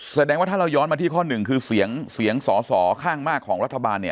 แสดงว่าถ้าเราย้อนมาที่ข้อหนึ่งคือเสียงสอสอข้างมากของรัฐบาล